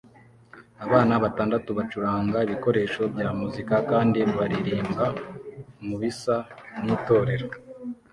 Abana batandatu bacuranga ibikoresho bya muzika kandi baririmba mubisa nkitorero